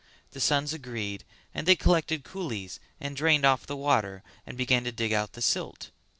The sons agreed and they collected coolies and drained off the water and began to dig out the silt.